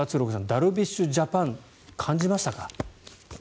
ダルビッシュジャパン感じましたか？